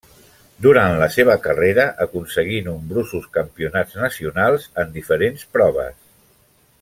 Durant la seva carrera aconseguí nombrosos campionats nacionals en diferents proves.